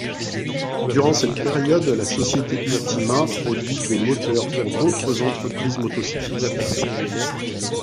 Durant cette période la société Ultima produit des moteurs pour d'autres entreprises motocyclistes.